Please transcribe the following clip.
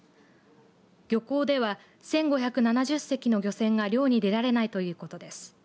漁港では１５７０隻の漁船が漁に出られないということです。